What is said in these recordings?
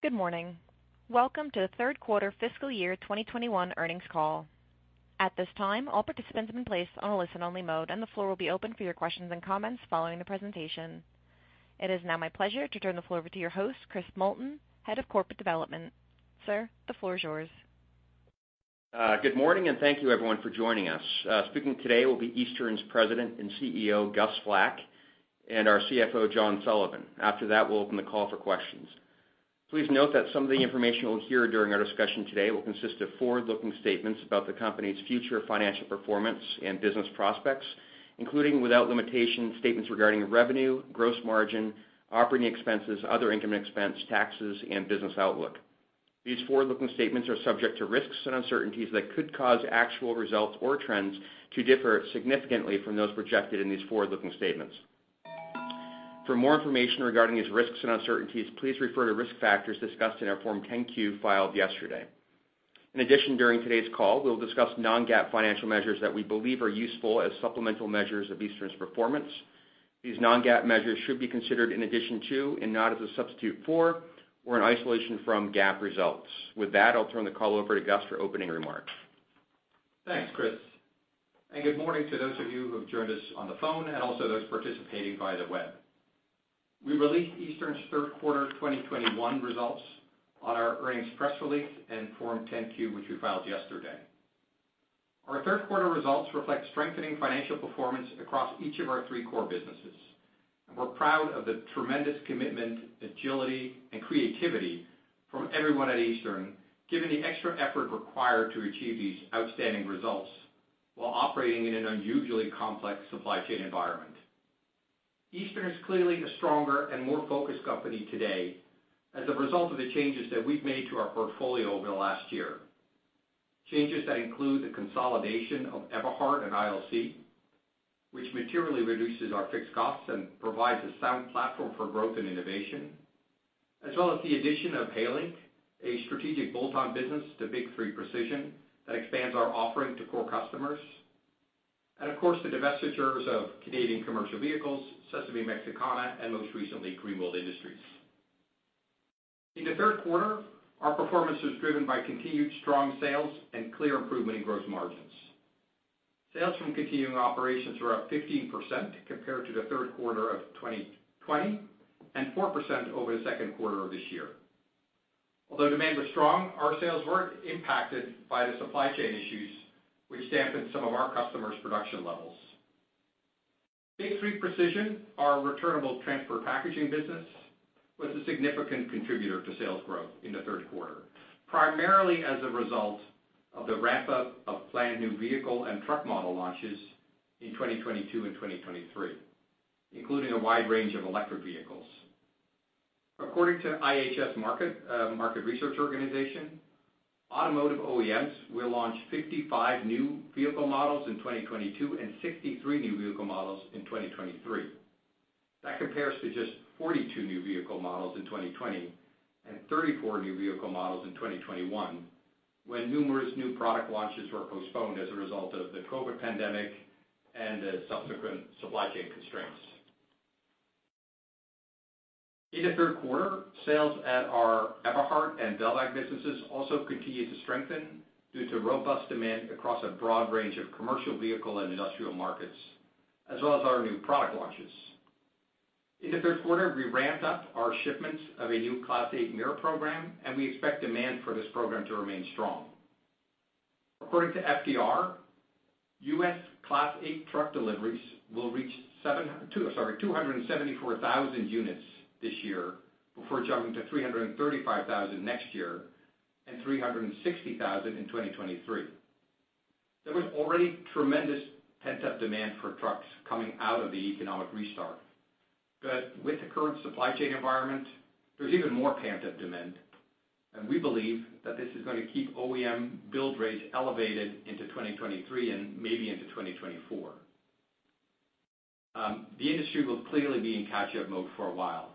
Good morning. Welcome to the third quarter fiscal year 2021 earnings call. At this time, all participants have been placed on a listen only mode, and the floor will be open for your questions and comments following the presentation. It is now my pleasure to turn the floor over to your host, Chris Moulton, Head of Corporate Development. Sir, the floor is yours. Good morning, and thank you everyone for joining us. Speaking today will be Eastern's President and CEO, Gus Vlak, and our CFO, John Sullivan. After that, we'll open the call for questions. Please note that some of the information you'll hear during our discussion today will consist of forward-looking statements about the company's future financial performance and business prospects, including without limitation, statements regarding revenue, gross margin, operating expenses, other income expense, taxes, and business outlook. These forward-looking statements are subject to risks and uncertainties that could cause actual results or trends to differ significantly from those projected in these forward-looking statements. For more information regarding these risks and uncertainties, please refer to risk factors discussed in our Form 10-Q filed yesterday. In addition, during today's call, we'll discuss non-GAAP financial measures that we believe are useful as supplemental measures of Eastern's performance. These non-GAAP measures should be considered in addition to and not as a substitute for or in isolation from GAAP results. With that, I'll turn the call over to Gus for opening remarks. Thanks, Chris, and good morning to those of you who have joined us on the phone and also those participating via the web. We released Eastern's third quarter 2021 results on our earnings press release and Form 10-Q, which we filed yesterday. Our third quarter results reflect strengthening financial performance across each of our three core businesses. We're proud of the tremendous commitment, agility and creativity from everyone at Eastern, given the extra effort required to achieve these outstanding results while operating in an unusually complex supply chain environment. Eastern is clearly a stronger and more focused company today as a result of the changes that we've made to our portfolio over the last year. Changes that include the consolidation of Eberhard and ILC, which materially reduces our fixed costs and provides a sound platform for growth and innovation. As well as the addition of Hallink, a strategic bolt-on business to Big 3 Precision that expands our offering to core customers. Of course, the divestitures of Canadian Commercial Vehicles, Sésamee Mexicana, and most recently, Greenwald Industries. In the third quarter, our performance was driven by continued strong sales and clear improvement in gross margins. Sales from continuing operations were up 15% compared to the third quarter of 2020, and 4% over the second quarter of this year. Although demand was strong, our sales were impacted by the supply chain issues which dampened some of our customers' production levels. Big 3 Precision, our returnable transport packaging business, was a significant contributor to sales growth in the third quarter, primarily as a result of the ramp-up of planned new vehicle and truck model launches in 2022 and 2023, including a wide range of electric vehicles. According to IHS Markit, market research organization, automotive OEMs will launch 55 new vehicle models in 2022 and 63 new vehicle models in 2023. That compares to just 42 new vehicle models in 2020 and 34 new vehicle models in 2021, when numerous new product launches were postponed as a result of the COVID pandemic and the subsequent supply chain constraints. In the third quarter, sales at our Eberhard and Velvac businesses also continued to strengthen due to robust demand across a broad range of commercial vehicle and industrial markets, as well as our new product launches. In the third quarter, we ramped up our shipments of a new Class 8 mirror program, and we expect demand for this program to remain strong. According to FTR, U.S. Class 8 truck deliveries will reach 274,000 units this year, before jumping to 335,000 next year and 360,000 in 2023. There was already tremendous pent-up demand for trucks coming out of the economic restart. With the current supply chain environment, there's even more pent-up demand, and we believe that this is gonna keep OEM build rates elevated into 2023 and maybe into 2024. The industry will clearly be in catch-up mode for a while,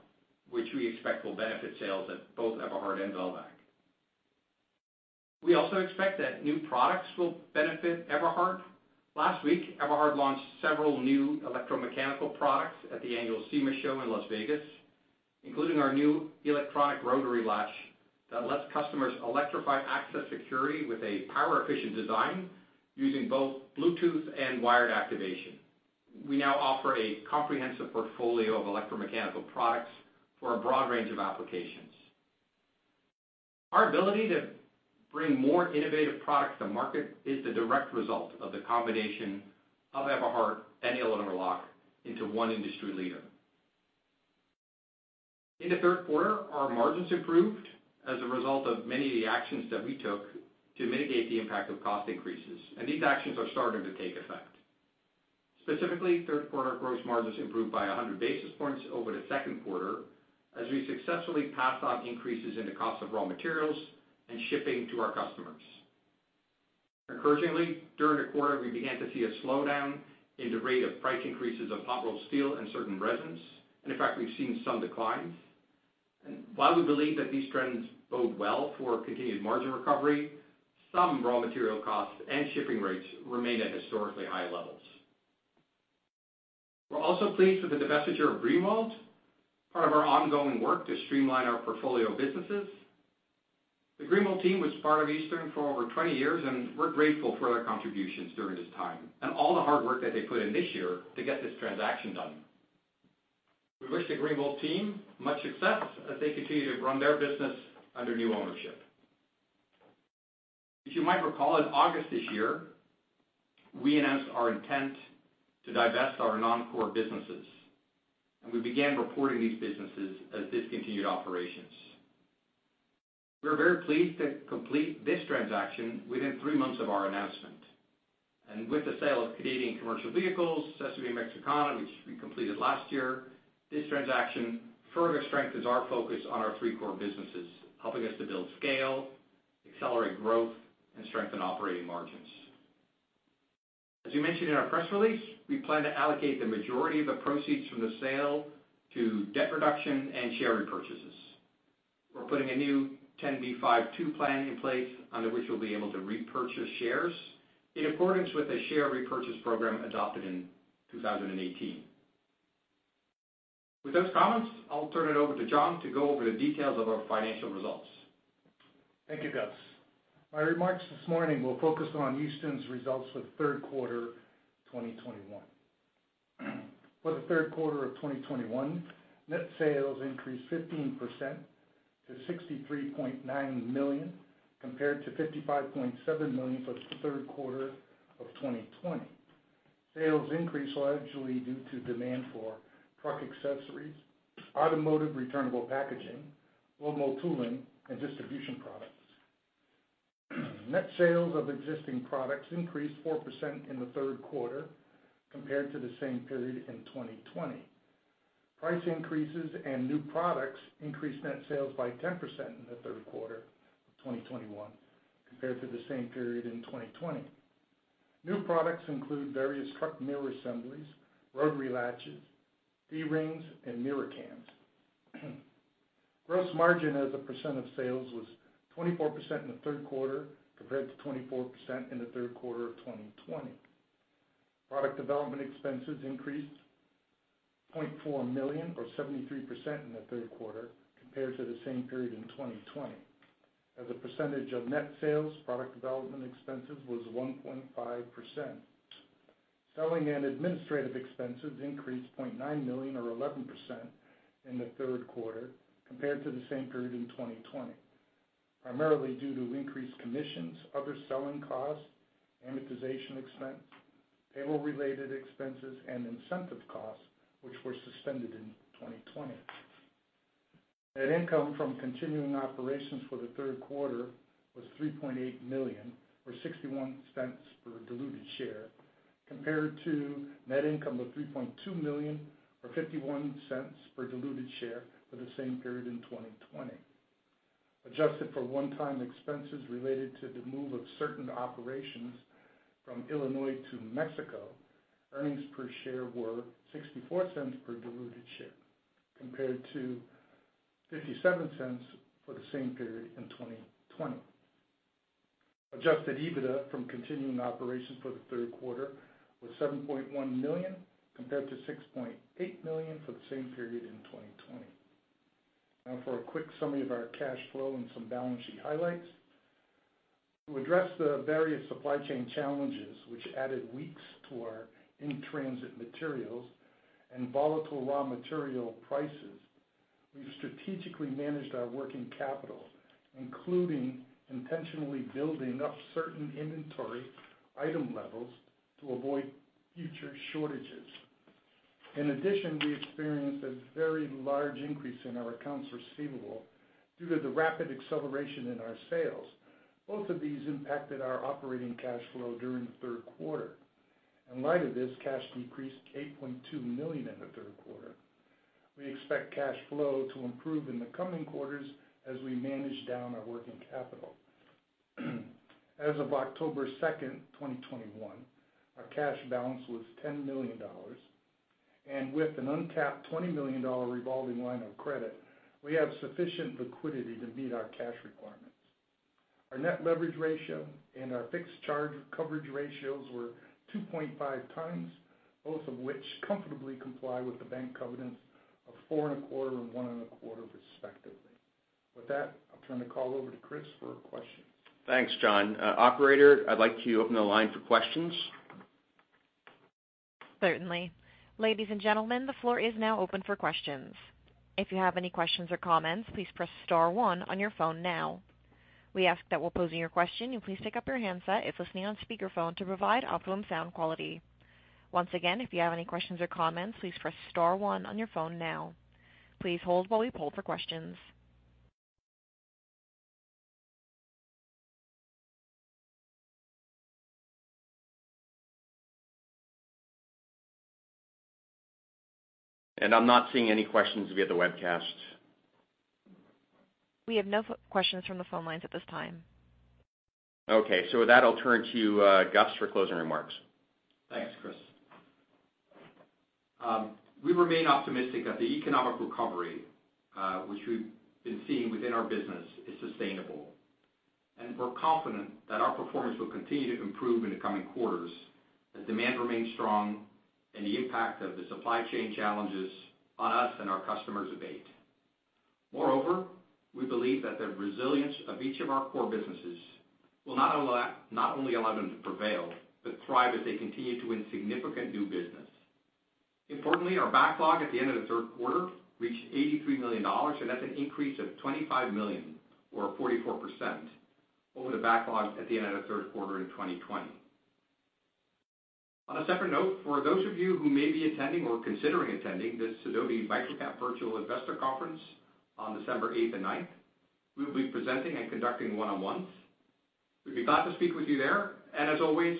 which we expect will benefit sales at both Eberhard and Velvac. We also expect that new products will benefit Eberhard. Last week, Eberhard launched several new electromechanical products at the annual SEMA Show in Las Vegas, including our new electronic rotary latch that lets customers electrify access security with a power-efficient design using both Bluetooth and wired activation. We now offer a comprehensive portfolio of electromechanical products for a broad range of applications. Our ability to bring more innovative products to market is the direct result of the combination of Eberhard and Illinois Lock into one industry leader. In the third quarter, our margins improved as a result of many of the actions that we took to mitigate the impact of cost increases, and these actions are starting to take effect. Specifically, third quarter gross margins improved by 100 basis points over the second quarter as we successfully passed on increases in the cost of raw materials and shipping to our customers. Encouragingly, during the quarter, we began to see a slowdown in the rate of price increases of hot rolled steel and certain resins, and in fact, we've seen some declines. While we believe that these trends bode well for continued margin recovery, some raw material costs and shipping rates remain at historically high levels. We're also pleased with the divestiture of Greenwald, part of our ongoing work to streamline our portfolio of businesses. The Greenwald team was part of Eastern for over 20 years, and we're grateful for their contributions during this time and all the hard work that they put in this year to get this transaction done. We wish the Greenwald team much success as they continue to run their business under new ownership. As you might recall, in August this year, we announced our intent to divest our non-core businesses, and we began reporting these businesses as discontinued operations. We're very pleased to complete this transaction within three months of our announcement. With the sale of Canadian Commercial Vehicles, Sésamee Mexicana, which we completed last year, this transaction further strengthens our focus on our three core businesses, helping us to build scale, accelerate growth, and strengthen operating margins. As we mentioned in our press release, we plan to allocate the majority of the proceeds from the sale to debt reduction and share repurchases. We're putting a new 10b5-1 plan in place under which we'll be able to repurchase shares in accordance with the share repurchase program adopted in 2018. With those comments, I'll turn it over to John to go over the details of our financial results. Thank you, Gus. My remarks this morning will focus on Eastern's results for the third quarter of 2021. For the third quarter of 2021, net sales increased 15% to $63.9 million, compared to $55.7 million for the third quarter of 2020. Sales increased largely due to demand for truck accessories, automotive returnable packaging, global tooling, and distribution products. Net sales of existing products increased 4% in the third quarter compared to the same period in 2020. Price increases and new products increased net sales by 10% in the third quarter of 2021 compared to the same period in 2020. New products include various truck mirror assemblies, rotary latches, D-rings, and mirror cams. Gross margin as a percent of sales was 24% in the third quarter, compared to 24% in the third quarter of 2020. Product development expenses increased $0.4 million or 73% in the third quarter compared to the same period in 2020. As a percentage of net sales, product development expenses was 1.5%. Selling and administrative expenses increased $0.9 million or 11% in the third quarter compared to the same period in 2020, primarily due to increased commissions, other selling costs, amortization expense, payroll-related expenses, and incentive costs, which were suspended in 2020. Net income from continuing operations for the third quarter was $3.8 million or $0.61 per diluted share, compared to net income of $3.2 million or $0.51 per diluted share for the same period in 2020. Adjusted for one-time expenses related to the move of certain operations from Illinois to Mexico, earnings per share were $0.64 per diluted share, compared to $0.57 for the same period in 2020. Adjusted EBITDA from continuing operations for the third quarter was $7.1 million compared to $6.8 million for the same period in 2020. Now for a quick summary of our cash flow and some balance sheet highlights. To address the various supply chain challenges, which added weeks to our in-transit materials and volatile raw material prices, we've strategically managed our working capital, including intentionally building up certain inventory item levels to avoid future shortages. In addition, we experienced a very large increase in our accounts receivable due to the rapid acceleration in our sales. Both of these impacted our operating cash flow during the third quarter. In light of this, cash decreased $8.2 million in the third quarter. We expect cash flow to improve in the coming quarters as we manage down our working capital. As of October 2, 2021, our cash balance was $10 million, and with an untapped $20 million revolving line of credit, we have sufficient liquidity to meet our cash requirements. Our net leverage ratio and our fixed charge coverage ratios were 2.5x, both of which comfortably comply with the bank covenants of 4.25x and 1.25x, respectively. With that, I'll turn the call over to Chris for questions. Thanks, John. Operator, I'd like you to open the line for questions. Certainly. Ladies and gentlemen, the floor is now open for questions. If you have any questions or comments, please press star one on your phone now. We ask that while posing your question, you please pick up your handset if listening on speakerphone to provide optimum sound quality. Once again, if you have any questions or comments, please press star one on your phone now. Please hold while we poll for questions. I'm not seeing any questions via the webcast. We have no questions from the phone lines at this time. Okay. With that, I'll turn to Gus for closing remarks. Thanks, Chris. We remain optimistic that the economic recovery, which we've been seeing within our business is sustainable. We're confident that our performance will continue to improve in the coming quarters as demand remains strong and the impact of the supply chain challenges on us and our customers abate. Moreover, we believe that the resilience of each of our core businesses will not only allow them to prevail, but thrive as they continue to win significant new business. Importantly, our backlog at the end of the third quarter reached $83 million, and that's an increase of $25 million or 44% over the backlog at the end of the third quarter in 2020. On a separate note, for those of you who may be attending or considering attending the Sidoti Micro-Cap Virtual Investor Conference on December 8th and 9th, we will be presenting and conducting one-on-ones. We'd be glad to speak with you there. As always,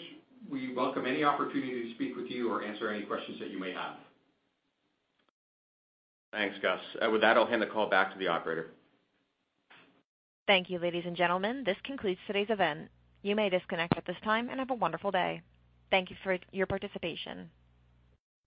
we welcome any opportunity to speak with you or answer any questions that you may have. Thanks, Gus. With that, I'll hand the call back to the operator. Thank you, ladies and gentlemen. This concludes today's event. You may disconnect at this time, and have a wonderful day. Thank you for your participation.